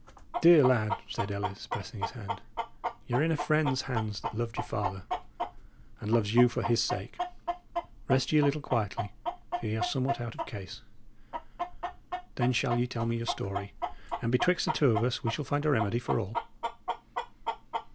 "Dear lad," said Ellis, pressing his hand, "y' are in a friend's hands that loved your father, and loves you for his sake. Rest ye a little quietly, for ye are somewhat out of case. Then shall ye tell me your story, and betwixt the two of us we shall find a remedy for all."